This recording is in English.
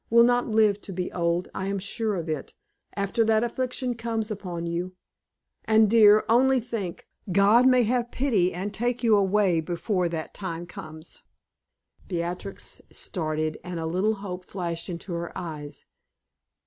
will not live to be old, I am sure of it, after that affliction comes upon you. And, dear, only think, God may have pity and take you away before that time comes." Beatrix started, and a little hope flashed into her eyes.